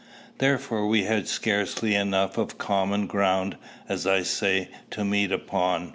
Therefore we had scarcely enough of common ground, as I say, to meet upon.